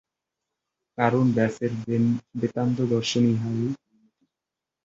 কারণ ব্যাসের বেদান্তদর্শন ইহারই পরিণতি।